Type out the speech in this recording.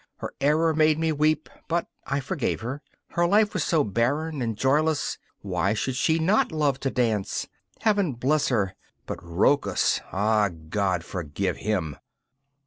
her error made me weep, but I forgave her. Her life was so barren and joyless; why should she not love to dance? Heaven bless her! But Rochus ah, God forgive him!